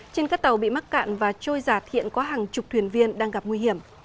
trên các tàu bị mắc cạn và trôi giạt hiện có hàng chục thuyền viên đang gặp nguy hiểm